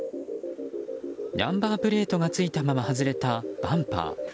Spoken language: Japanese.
ナンバープレートがついたまま外れたバンパー。